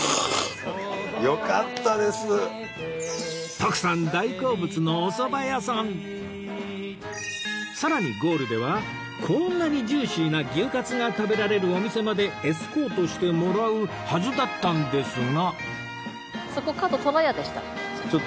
徳さんさらにゴールではこんなにジューシーな牛かつが食べられるお店までエスコートしてもらうはずだったんですが